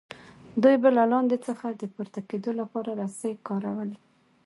دوی به له لاندې څخه د پورته کیدو لپاره رسۍ کارولې.